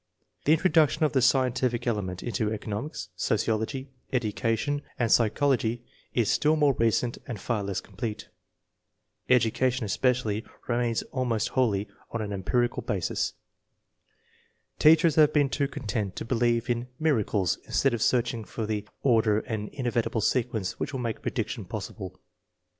The introduction of the scientific element into economics, sociology, education, and psychology is still more recent and far less complete. ^Education, en an,~ ein basis. Teachers have been too content to believe 136 INTELLIGENCE OF SCHOOL CHILDEEN in "miracles," instead of searching for the order and inevitable sequence which will make prediction possible.